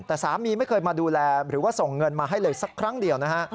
แต่สามีไม่เคยมาดูแลหรือว่าส่งเงินมาให้เลยสักครั้งเดียวนะฮะ